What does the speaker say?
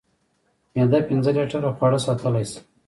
معده پنځه لیټره خواړه ساتلی شي.